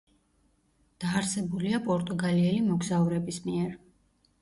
დაარსებულია პორტუგალიელი მოგზაურების მიერ.